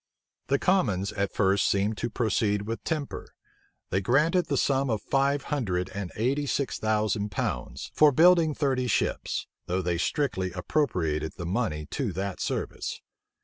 The commons at first seemed to proceed with temper. They granted the sum of five hundred and eighty six thousand pounds, for building thirty ships; though they strictly appropriated the money to that service.